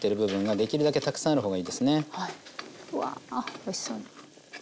うわおいしそう。